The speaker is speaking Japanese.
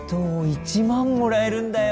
１万もらえるんだよ。